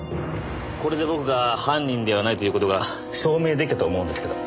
これで僕が犯人ではないという事が証明出来たと思うんですけど。